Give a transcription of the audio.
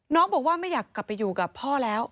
น้องบอกว่าไม่อยากกลับไปอยู่กับพ่อแล้ว